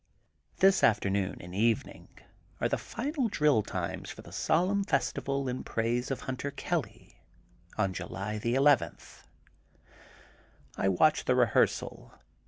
This afternoon and evening are the final drill times for t^e solemn festival in praise of Hunter Kelly, on July the eleventh. I watch the rehearsal.